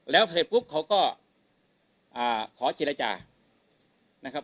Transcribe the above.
แล้วเถ็บปุ๊กเขาก็ขอจิราจา